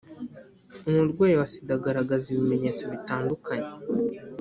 umurwayi wa sida agaragaza ibimenyetso bitandukanye.